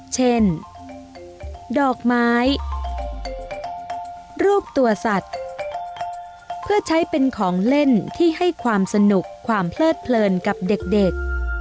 เช่นดอกไม้รูปตัวสัตว์เพื่อใช้เป็นของเล่นที่ให้ความสนุกความเพลิดเพลินกับเด็ก